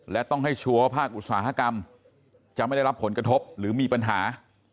และต้องให้ชัวร์ว่าภาคอุตสาหกรรมจะไม่ได้รับผลกระทบหรือมีปัญหา